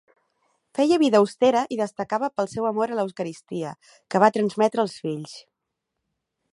Feia vida austera i destacava pel seu amor a l'Eucaristia, que va transmetre als fills.